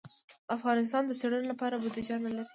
افغانستان د څېړنو لپاره بودیجه نه لري.